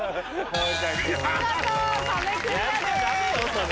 それ。